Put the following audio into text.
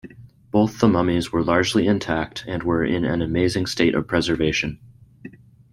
Both the mummies were largely intact and were in an amazing state of preservation.